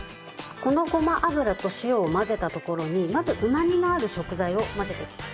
このごま油と塩を混ぜたところにまずうまみのある食材を混ぜていきます。